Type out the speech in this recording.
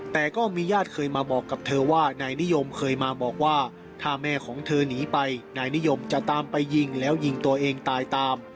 แต่ก็มีญาติเคยมาบอกกับเธอว่านายนิยมเคยมาบอกว่าถ้าแม่ของเธอหนีไปนายนิยมจะตามไปยิงแล้วยิงตัวเองตายตาม